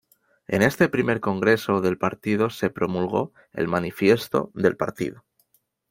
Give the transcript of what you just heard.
En este Primer Congreso del partido se promulgó el manifiesto del partido.